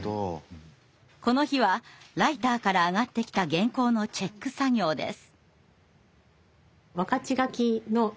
この日はライターからあがってきた原稿のチェック作業です。